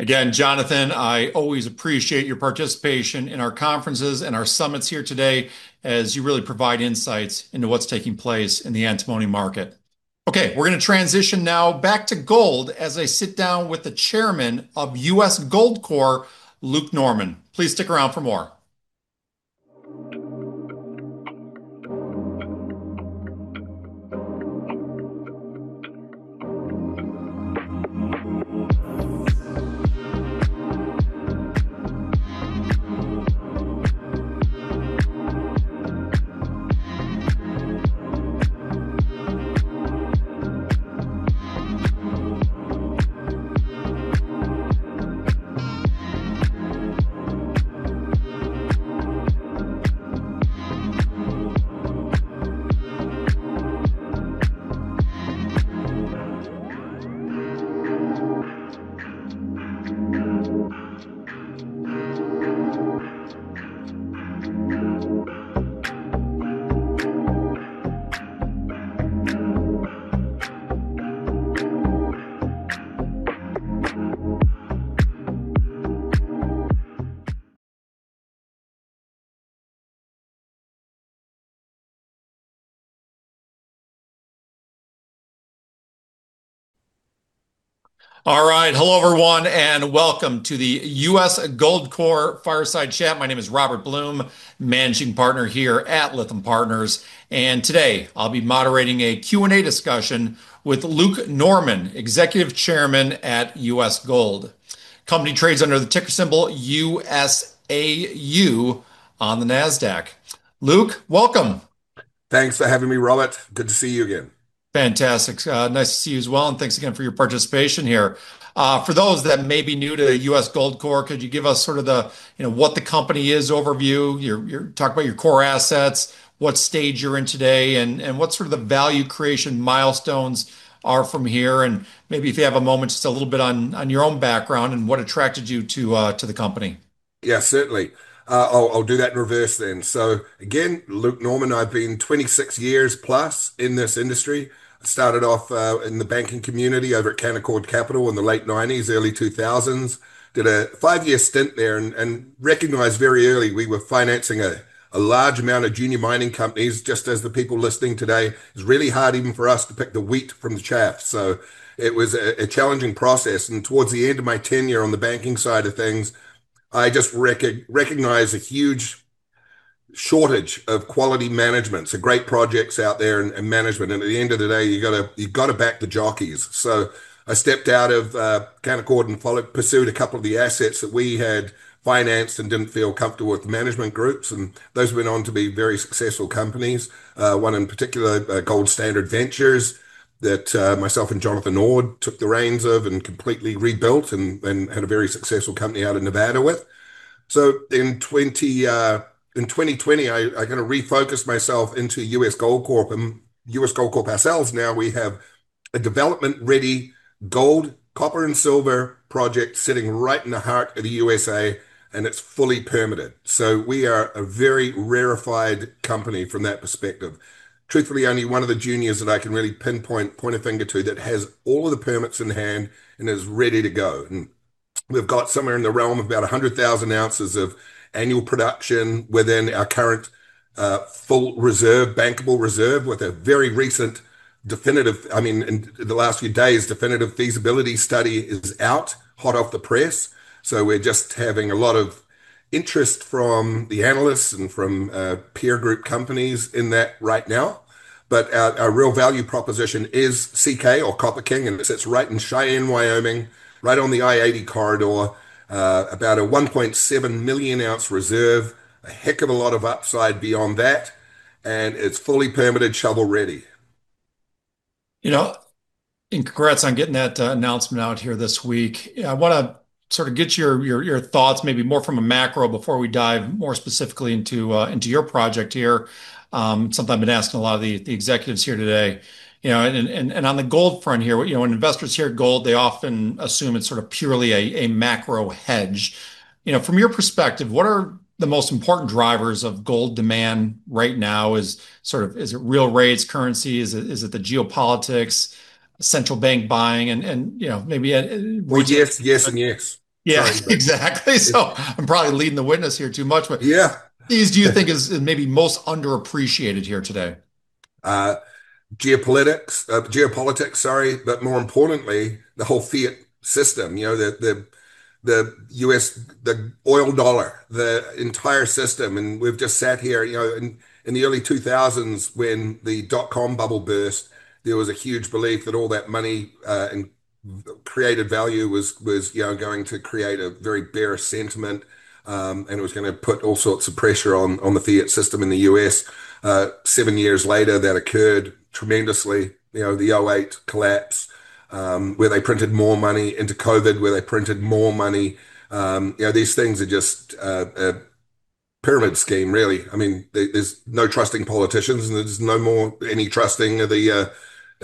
Again, Jonathan, I always appreciate your participation in our conferences and our summits here today as you really provide insights into what's taking place in the antimony market. Okay, we're gonna transition now back to gold as I sit down with the Chairman of U.S. Gold Corp., Luke Norman. Please stick around for more. All right. Hello, everyone, and welcome to the U.S. Gold Corp. Fireside Chat. My name is Robert Blum, Managing Partner here at Lytham Partners. Today I'll be moderating a Q&A discussion with Luke Norman, Executive Chairman at U.S. Gold. Company trades under the ticker symbol USAU on the Nasdaq. Luke, welcome. Thanks for having me, Robert. Good to see you again. Fantastic. Nice to see you as well, and thanks again for your participation here. For those that may be new to U.S. Gold Corp, could you give us sort of the, you know, what the company is overview, your talk about your core assets, what stage you're in today, and what sort of the value creation milestones are from here, and maybe if you have a moment, just a little bit on your own background and what attracted you to the company. Yeah, certainly. I'll do that in reverse then. Again, Luke Norman, I've been 26+ years in this industry. I started off in the banking community over at Canaccord Capital in the late 1990s, early 2000s. Did a five-year stint there and recognized very early we were financing a large amount of junior mining companies, just as the people listening today. It was really hard even for us to pick the wheat from the chaff. It was a challenging process, and towards the end of my tenure on the banking side of things, I just recognized a huge shortage of quality management. Some great projects out there and management, and at the end of the day, you've gotta back the jockeys. I stepped out of Canaccord and followed, pursued a couple of the assets that we had financed and didn't feel comfortable with the management groups, and those went on to be very successful companies. One in particular, Gold Standard Ventures, that myself and Jonathan Ord took the reins of and completely rebuilt and had a very successful company out of Nevada with. In 2020, I kind of refocused myself into U.S. Gold Corp., and U.S. Gold Corp. ourselves now we have a development-ready gold, copper, and silver project sitting right in the heart of the U.S.., and it's fully permitted. We are a very rarefied company from that perspective. Truthfully, only one of the juniors that I can really point a finger to that has all of the permits in hand and is ready to go. We've got somewhere in the realm of about 100,000 ounces of annual production within our current full reserve, bankable reserve, with a very recent definitive, I mean, in the last few days, definitive feasibility study is out, hot off the press. We're just having a lot of interest from the analysts and from peer group companies in that right now. Our real value proposition is CK or Copper King, and it sits right in Cheyenne, Wyoming, right on the I-80 corridor. About a 1.7 million ounce reserve, a heck of a lot of upside beyond that, and it's fully permitted shovel-ready. You know, congrats on getting that announcement out here this week. I wanna sort of get your thoughts maybe more from a macro before we dive more specifically into your project here. Something I've been asking a lot of the executives here today. You know, on the gold front here, you know, when investors hear gold, they often assume it's sort of purely a macro hedge. You know, from your perspective, what are the most important drivers of gold demand right now? Is it real rates, currency? Is it the geopolitics, central bank buying and you know, maybe Well, yes. Yes, and yes. Yeah. Exactly. I'm probably leading the witness here too much, but. Yeah. These do you think is maybe most underappreciated here today? Geopolitics, sorry, but more importantly, the whole fiat system. You know, the U.S., the oil dollar, the entire system, and we've just sat here. You know, in the early 2000s when the dotcom bubble burst, there was a huge belief that all that money and created value was, you know, going to create a very bearish sentiment, and it was gonna put all sorts of pressure on the fiat system in the U.S. Seven years later, that occurred tremendously. You know, the 2008 collapse, where they printed more money into COVID, where they printed more money. You know, these things are just a pyramid scheme really. I mean, there's no trusting politicians, and there's no more trusting of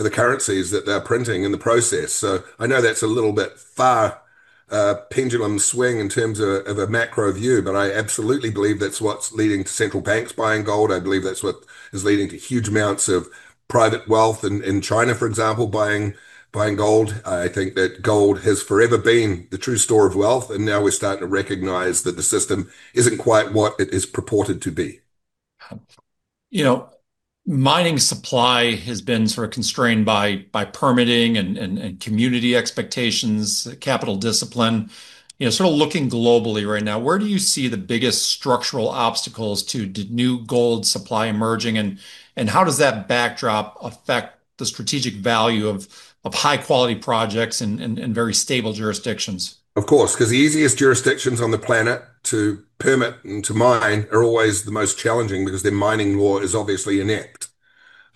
the currencies that they're printing in the process. I know that's a little bit of a pendulum swing in terms of a macro view, but I absolutely believe that's what's leading to central banks buying gold. I believe that's what is leading to huge amounts of private wealth in China, for example, buying gold. I think that gold has forever been the true store of wealth, and now we're starting to recognize that the system isn't quite what it is purported to be. You know, mining supply has been sort of constrained by permitting and community expectations, capital discipline. You know, sort of looking globally right now, where do you see the biggest structural obstacles to new gold supply emerging and how does that backdrop affect the strategic value of high-quality projects in very stable jurisdictions? Of course, because the easiest jurisdictions on the planet to permit and to mine are always the most challenging because their mining law is obviously inept.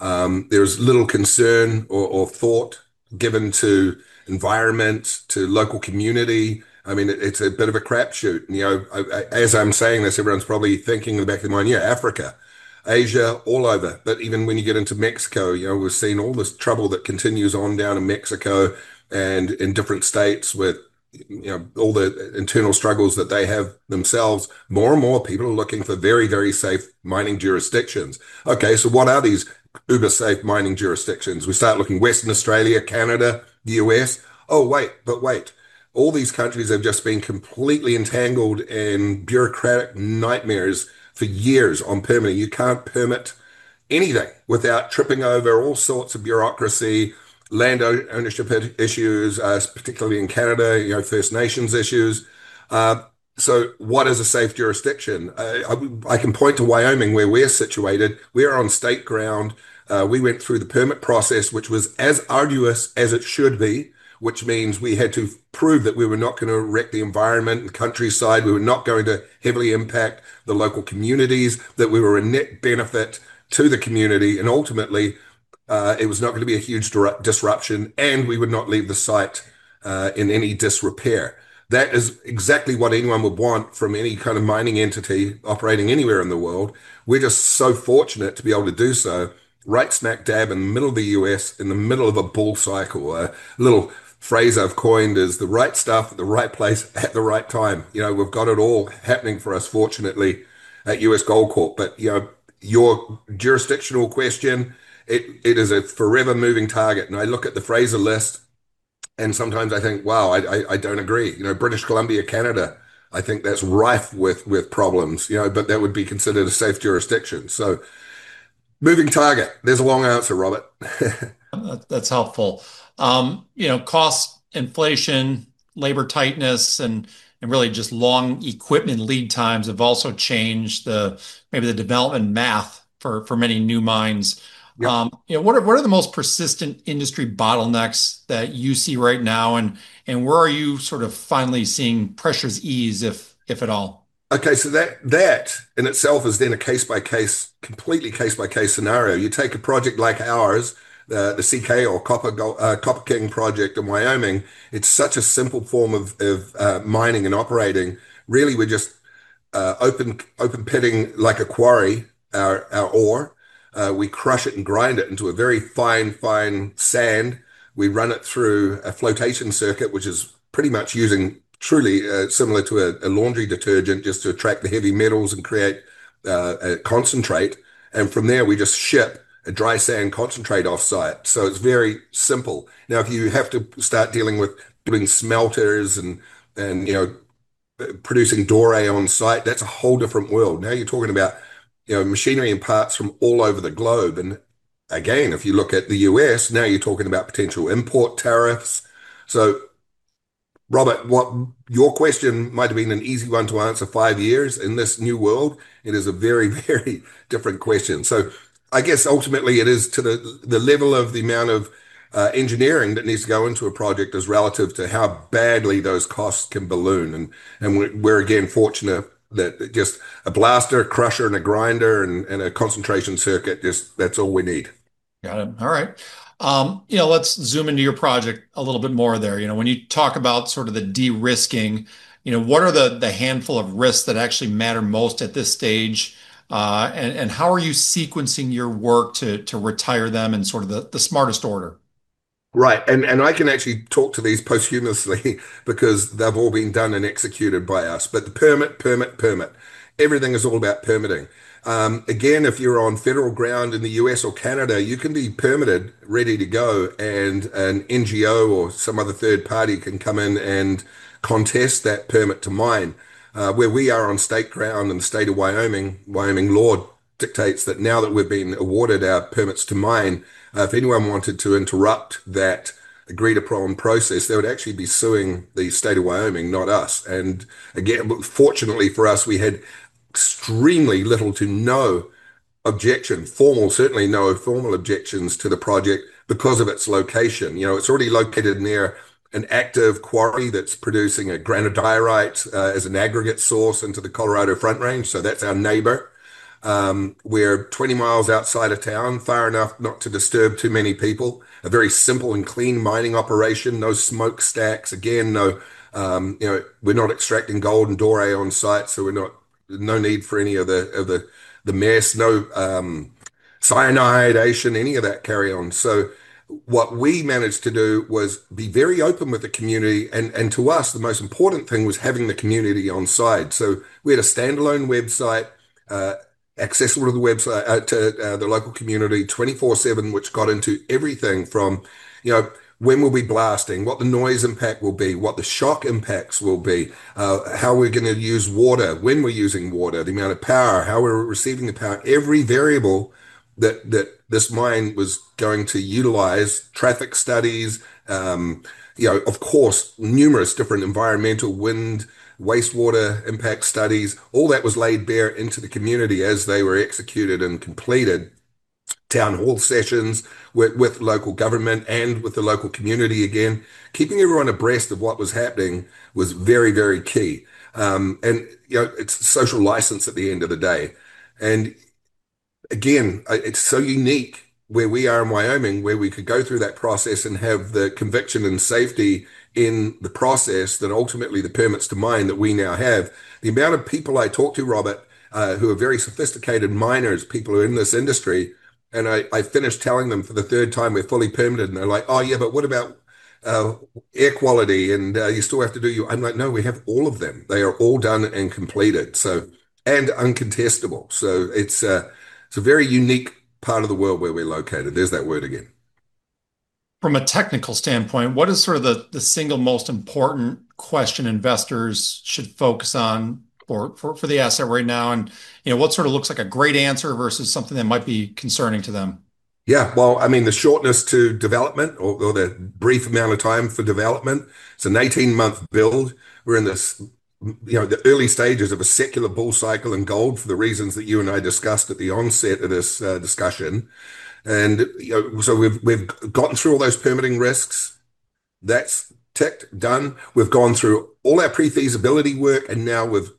There's little concern or thought given to environment, to local community. I mean, it's a bit of a crapshoot. You know, as I'm saying this, everyone's probably thinking in the back of their mind, "Yeah, Africa, Asia, all over." Even when you get into Mexico, you know, we're seeing all this trouble that continues on down in Mexico and in different states with, you know, all the internal struggles that they have themselves. More and more people are looking for very, very safe mining jurisdictions. Okay, so what are these uber safe mining jurisdictions? We start looking Western Australia, Canada, the U.S. Oh wait, but wait, all these countries have just been completely entangled in bureaucratic nightmares for years on permitting. You can't permit anything without tripping over all sorts of bureaucracy, land ownership issues, particularly in Canada, you know, First Nations issues. What is a safe jurisdiction? I can point to Wyoming where we're situated. We're on state ground. We went through the permit process, which was as arduous as it should be, which means we had to prove that we were not gonna wreck the environment and countryside, we were not going to heavily impact the local communities, that we were a net benefit to the community and ultimately, it was not gonna be a huge disruption, and we would not leave the site in any disrepair. That is exactly what anyone would want from any kind of mining entity operating anywhere in the world. We're just so fortunate to be able to do so right smack dab in the middle of the U.S. in the middle of a bull cycle. A little phrase I've coined is, "The right stuff at the right place at the right time." You know, we've got it all happening for us, fortunately, at U.S. Gold Corp. You know, your jurisdictional question, it is a forever moving target, and I look at the Fraser List, and sometimes I think, "Wow, I don't agree." You know, British Columbia, Canada, I think that's rife with problems, you know, but that would be considered a safe jurisdiction. Moving target. There's a long answer, Robert. That's helpful. You know, cost inflation, labor tightness, and really just long equipment lead times have also changed the, maybe the development math for many new mines. Yep. You know, what are the most persistent industry bottlenecks that you see right now, and where are you sort of finally seeing pressures ease, if at all? Okay, that in itself is a case-by-case, completely case-by-case scenario. You take a project like ours, the CK Gold project in Wyoming, it's such a simple form of mining and operating. Really we're just open pitting, like a quarry, our ore. We crush it and grind it into a very fine sand. We run it through a flotation circuit, which is pretty much using truly similar to a laundry detergent just to attract the heavy metals and create a concentrate, and from there we just ship a dry sand concentrate off-site, it's very simple. Now, if you have to start dealing with building smelters and you know, producing doré on site, that's a whole different world. Now you're talking about, you know, machinery and parts from all over the globe and, again, if you look at the U.S., now you're talking about potential import tariffs. Robert, what your question might have been an easy one to answer five years. In this new world, it is a very, very different question. I guess ultimately it is to the level of the amount of engineering that needs to go into a project is relative to how badly those costs can balloon and we're again fortunate that just a blaster, a crusher, and a grinder and a concentration circuit, just that's all we need. Got it. All right. You know, let's zoom into your project a little bit more there. You know, when you talk about sort of the de-risking, you know, what are the handful of risks that actually matter most at this stage? And how are you sequencing your work to retire them in sort of the smartest order? Right. I can actually talk to these posthumously because they've all been done and executed by us. The permit. Everything is all about permitting. Again, if you're on federal ground in the U.S. or Canada, you can be permitted, ready to go, and an NGO or some other third party can come in and contest that permit to mine. Where we are on state ground in the state of Wyoming law dictates that now that we've been awarded our permits to mine, if anyone wanted to interrupt that agreed-upon process, they would actually be suing the state of Wyoming, not us. Again, fortunately for us, we had extremely little to no objection, formal, certainly no formal objections to the project because of its location. You know, it's already located near an active quarry that's producing a granodiorite as an aggregate source into the Colorado Front Range, so that's our neighbor. We're 20 mi outside of town, far enough not to disturb too many people. A very simple and clean mining operation, no smokestacks. Again, no, you know, we're not extracting gold and doré on site, so we're not. No need for any of the mess. No cyanidation, any of that carbon. What we managed to do was be very open with the community and, to us, the most important thing was having the community on side. We had a standalone website accessible to the local community 24/7, which got into everything from, you know, when we'll be blasting, what the noise impact will be, what the shock impacts will be, how we're gonna use water, when we're using water, the amount of power, how we're receiving the power. Every variable that this mine was going to utilize, traffic studies, you know, of course, numerous different environmental, wind, wastewater impact studies, all that was laid bare into the community as they were executed and completed. Town hall sessions with local government and with the local community again. Keeping everyone abreast of what was happening was very key. You know, it's social license at the end of the day. Again, it's so unique where we are in Wyoming, where we could go through that process and have the conviction and safety in the process that ultimately the permits to mine that we now have. The amount of people I talk to, Robert, who are very sophisticated miners, people who are in this industry, and I finish telling them for the third time we're fully permitted, and they're like, "Oh, yeah, but what about air quality and you still have to do your." I'm like, "No, we have all of them. They are all done and completed, so. Uncontestable." It's a very unique part of the world where we're located. There's that word again. From a technical standpoint, what is sort of the single most important question investors should focus on for the asset right now? You know, what sort of looks like a great answer versus something that might be concerning to them? Yeah. Well, I mean, the brief amount of time for development, it's an 18-month build. We're in this, you know, the early stages of a secular bull cycle in gold for the reasons that you and I discussed at the onset of this discussion. You know, we've gotten through all those permitting risks. That's ticked, done. We've gone through all our pre-feasibility work, and now we've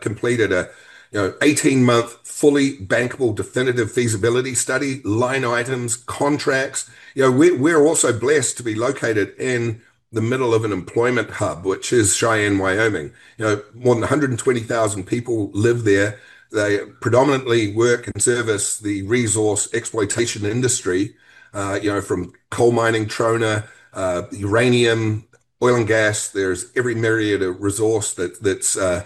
completed a 18-month fully bankable definitive feasibility study, line items, contracts. You know, we're also blessed to be located in the middle of an employment hub, which is Cheyenne, Wyoming. You know, more than 120,000 people live there. They predominantly work and service the resource exploitation industry, you know, from coal mining, trona, uranium, oil and gas. There's every myriad of resource that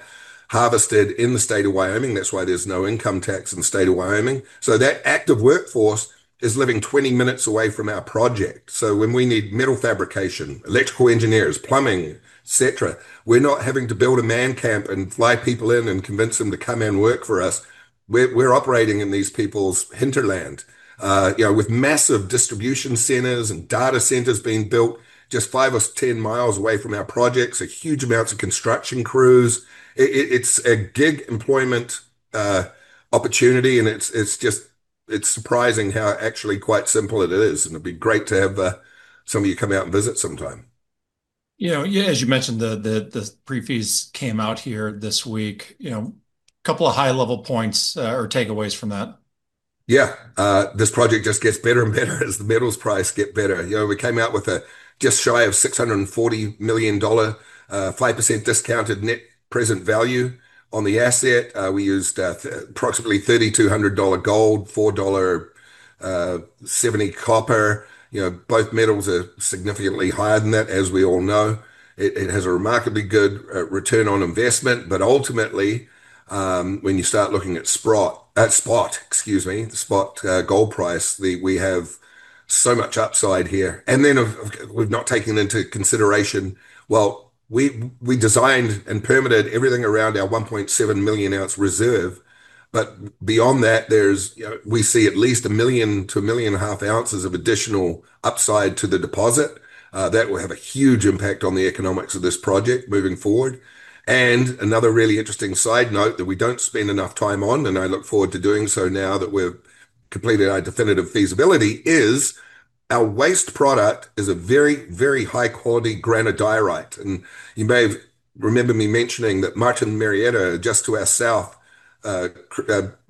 harvested in the state of Wyoming. That's why there's no income tax in the state of Wyoming. That active workforce is living 20 minutes away from our project. When we need metal fabrication, electrical engineers, plumbing, et cetera, we're not having to build a man camp and fly people in and convince them to come in and work for us. We're operating in these people's hinterland. You know, with massive distribution centers and data centers being built just 5 or 10 mi away from our projects, a huge amounts of construction crews. It's a gig employment opportunity, and it's just surprising how actually quite simple it is, and it'd be great to have some of you come out and visit sometime. You know, as you mentioned, the pre-feas came out earlier this week. You know, couple of high-level points or takeaways from that. Yeah. This project just gets better and better as the metals price get better. You know, we came out with a just shy of $640 million, 5% discounted net present value on the asset. We used approximately $3,200 gold, $4.70 copper. You know, both metals are significantly higher than that, as we all know. It has a remarkably good return on investment. But ultimately, when you start looking at the spot gold price, we have so much upside here. We've not taken into consideration. We designed and permitted everything around our 1.7 million ounce reserve, but beyond that there's, you know, we see at least 1 million-1.5 million ounces of additional upside to the deposit. That will have a huge impact on the economics of this project moving forward. Another really interesting side note that we don't spend enough time on, and I look forward to doing so now that we've completed our definitive feasibility, is our waste product a very, very high quality granodiorite. You may have remembered me mentioning that Martin Marietta just to our south,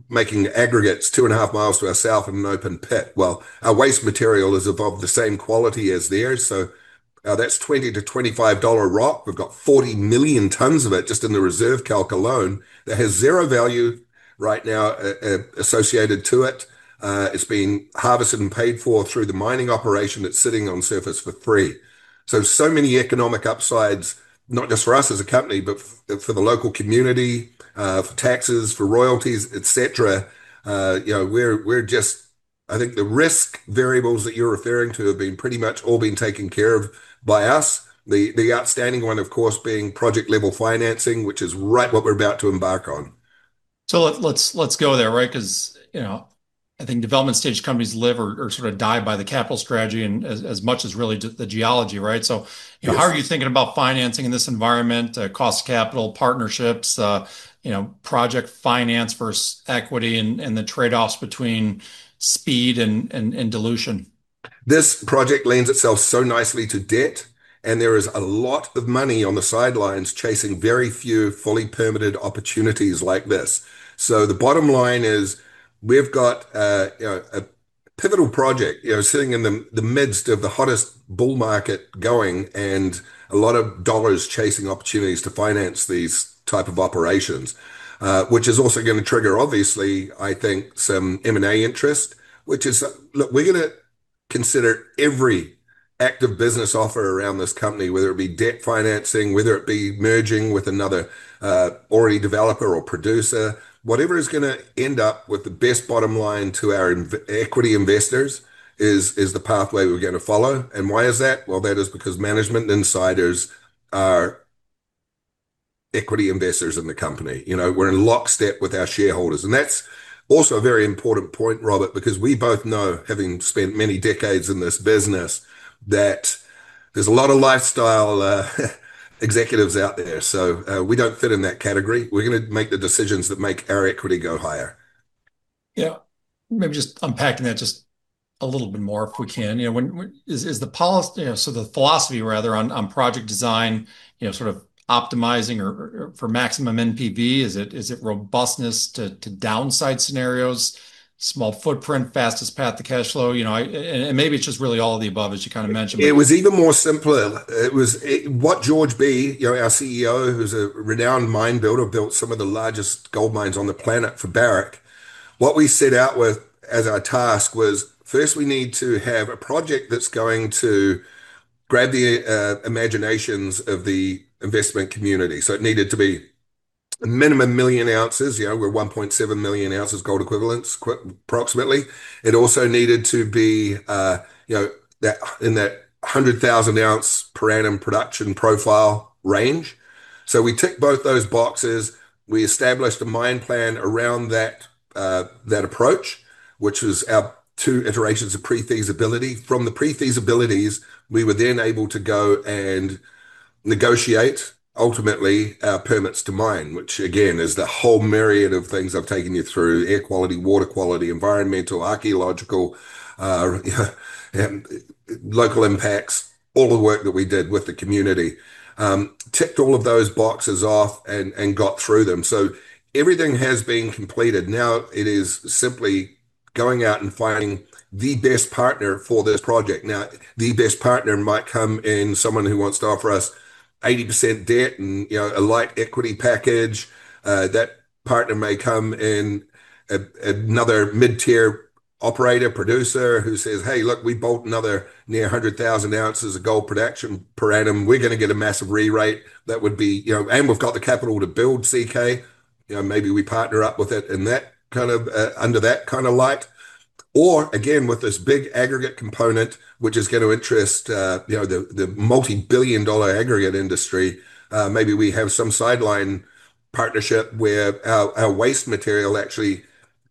making aggregates 2.5 mi to our south in an open pit. Well, our waste material is of the same quality as theirs. That's $20-$25 rock. We've got 40 million tons of it just in the reserve calc alone that has zero value right now, associated to it. It's being harvested and paid for through the mining operation that's sitting on surface for free. Many economic upsides, not just for us as a company, but for the local community, for taxes, for royalties, et cetera. You know, we're just I think the risk variables that you're referring to have been pretty much all been taken care of by us. The outstanding one, of course, being project level financing, which is right what we're about to embark on. Let's go there, right? 'Cause, you know, I think development stage companies live or sort of die by the capital strategy and as much as really just the geology, right? Yes.... how are you thinking about financing in this environment, cost capital, partnerships, you know, project finance versus equity and dilution? This project lends itself so nicely to debt, and there is a lot of money on the sidelines chasing very few fully permitted opportunities like this. The bottom line is we've got you know a pivotal project you know sitting in the midst of the hottest bull market going and a lot of dollars chasing opportunities to finance these type of operations. Which is also gonna trigger obviously I think some M&A interest. Look, we're gonna consider every attractive business offer around this company, whether it be debt financing, whether it be merging with another other developer or producer. Whatever is gonna end up with the best bottom line to our investors equity investors is the pathway we're gonna follow. Why is that? Well, that is because management insiders are equity investors in the company. You know, we're in lockstep with our shareholders. That's also a very important point, Robert, because we both know, having spent many decades in this business, that there's a lot of lifestyle executives out there. We don't fit in that category. We're gonna make the decisions that make our equity go higher. Yeah. Maybe just unpacking that just a little bit more if we can. You know, when is the philosophy rather on project design, you know, sort of optimizing or for maximum NPV. Is it robustness to downside scenarios, small footprint, fastest path to cashflow? You know, and maybe it's just really all of the above, as you kinda mentioned but- It was even more simpler. What George Bee, you know, our CEO, who's a renowned mine builder, built some of the largest gold mines on the planet for Barrick. What we set out with as our task was first we need to have a project that's going to grab the imaginations of the investment community. It needed to be a minimum 1 million ounces. You know, we're 1.7 million ounces gold equivalents approximately. It also needed to be, you know, in that 100,000 ounce per annum production profile range. We ticked both those boxes. We established a mine plan around that approach, which was our two iterations of pre-feasibility. From the pre-feasibilities, we were then able to go and negotiate ultimately our permits to mine, which again, is the whole myriad of things I've taken you through, air quality, water quality, environmental, archaeological, local impacts, all the work that we did with the community. Ticked all of those boxes off and got through them. Everything has been completed. Now it is simply going out and finding the best partner for this project. Now, the best partner might be someone who wants to offer us 80% debt and, you know, a light equity package. That partner may be another mid-tier operator, producer who says, "Hey, look, we bolt-on another near 100,000 ounces of gold production per annum. We're gonna get a massive re-rate that would be. You know, and we've got the capital to build CK. You know, maybe we partner up with it in that kind of light. Or again, with this big aggregate component, which is gonna interest you know, the multi-billion-dollar aggregate industry, maybe we have some sideline partnership where our waste material actually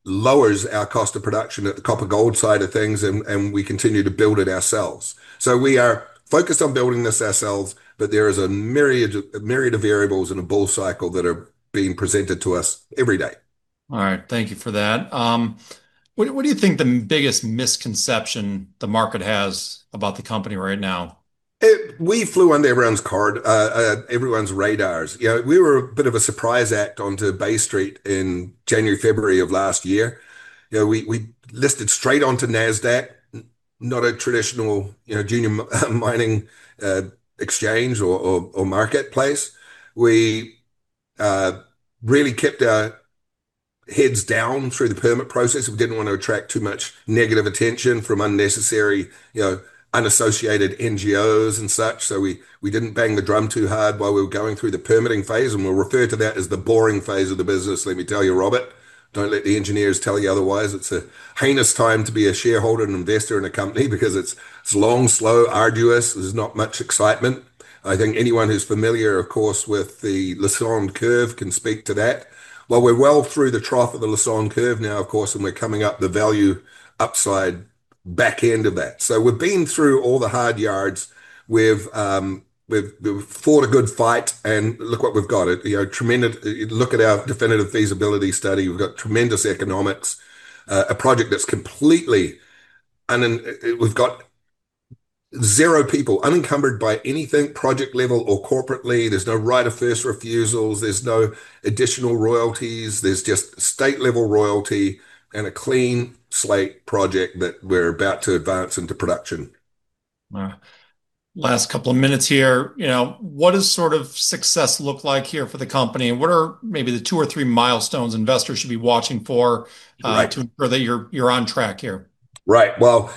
lowers our cost of production at the copper-gold side of things and we continue to build it ourselves. We are focused on building this ourselves, but there is a myriad of variables in a bull cycle that are being presented to us every day. All right. Thank you for that. What do you think the biggest misconception the market has about the company right now? We flew under everyone's radar. You know, we were a bit of a surprise act onto Bay Street in January, February of last year. You know, we listed straight onto Nasdaq, not a traditional, you know, junior mining exchange or marketplace. We really kept our heads down through the permit process. We didn't want to attract too much negative attention from unnecessary, you know, unassociated NGOs and such. We didn't bang the drum too hard while we were going through the permitting phase, and we'll refer to that as the boring phase of the business. Let me tell you, Robert, don't let the engineers tell you otherwise. It's a heinous time to be a shareholder and investor in a company because it's long, slow, arduous. There's not much excitement. I think anyone who's familiar, of course, with the Lassonde curve can speak to that. Well, we're well through the trough of the Lassonde curve now, of course, and we're coming up the value upside back end of that. We've been through all the hard yards. We've fought a good fight and look what we've got. Look at our definitive feasibility study. We've got tremendous economics. A project that's completely unencumbered by anything project-level or corporately. There's no right of first refusals. There's no additional royalties. There's just state-level royalty and a clean slate project that we're about to advance into production. Wow. Last couple of minutes here. You know, what does sort of success look like here for the company? What are maybe the two or three milestones investors should be watching for? Right. to ensure that you're on track here? Right. Well,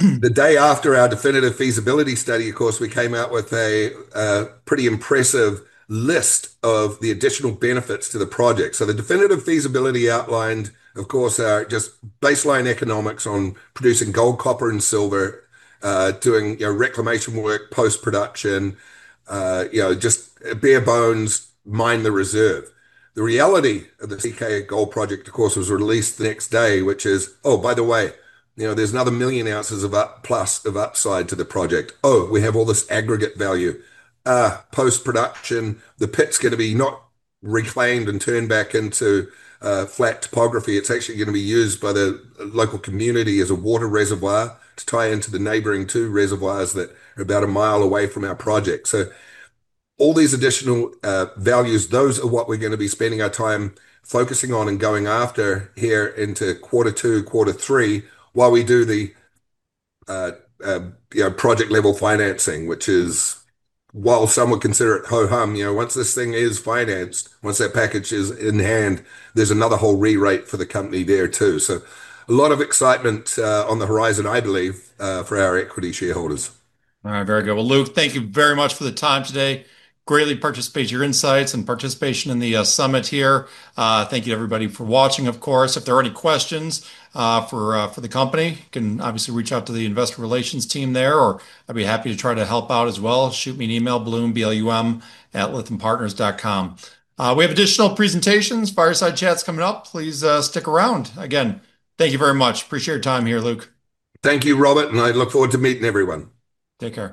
the day after our definitive feasibility study, of course, we came out with a pretty impressive list of the additional benefits to the project. The definitive feasibility outlined, of course, our just baseline economics on producing gold, copper and silver, doing, you know, reclamation work, post-production, you know, just bare bones mine the reserve. The reality of the CK Gold project of course was released the next day, which is, oh, by the way, you know, there's another million ounces of upside to the project. Oh, we have all this aggregate value. Post-production, the pit's gonna be not reclaimed and turned back into flat topography. It's actually gonna be used by the local community as a water reservoir to tie into the neighboring two reservoirs that are about a mile away from our project. All these additional values, those are what we're gonna be spending our time focusing on and going after here into quarter two, quarter three, while we do the you know, project level financing, which is, while some would consider it ho-hum, you know, once this thing is financed, once that package is in hand, there's another whole rewrite for the company there too. A lot of excitement on the horizon I believe for our equity shareholders. All right. Very good. Well, Luke, thank you very much for the time today. Greatly appreciate your insights and participation in the summit here. Thank you everybody for watching, of course. If there are any questions for the company, you can obviously reach out to the investor relations team there, or I'd be happy to try to help out as well. Shoot me an email, Blum, B-L-U-M@lythampartners.com. We have additional presentations, fireside chats coming up. Please stick around. Again, thank you very much. Appreciate your time here, Luke. Thank you, Robert, and I look forward to meeting everyone. Take care.